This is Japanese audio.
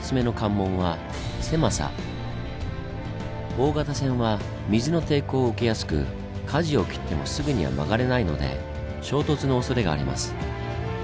大型船は水の抵抗を受けやすく舵を切ってもすぐには曲がれないので衝突のおそれがあります。